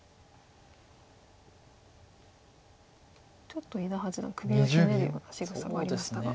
ちょっと伊田八段首をひねるようなしぐさがありましたが。